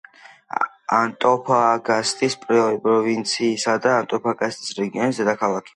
ანტოფაგასტის პროვინციისა და ანტოფაგასტის რეგიონის დედაქალაქი.